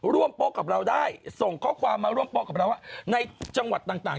ร่วมกับเราได้เขาขอบความมาร่วมกับเราอะในจังหวัดต่าง